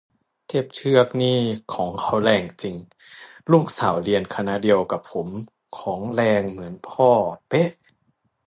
เทพเทือกนี่ของเขาแรงจริง ลูกสาวเรียนคณะเดียวกับผม ของแรงเหมือนพ่อเป๊ะ